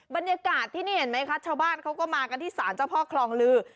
บรรยากาศที่นี่เข้าก็มากันที่สานเจ้าพ่อครองลือ